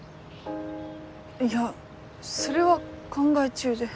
いやそれは考え中で。